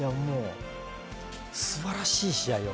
素晴らしい試合を。